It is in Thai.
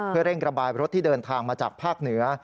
เพื่อเร่งระบายรถที่เดินทางมาจากภาคเหนือ